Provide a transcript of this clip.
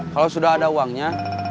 kalau sudah ada uangnya